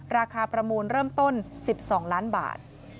ประมูลเริ่มต้น๑๒ล้านบาท